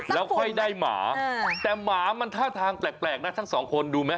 แล้วค่อยได้หมาแต่หมามันท่าทางแปลกนะทั้งสองคนดูไหม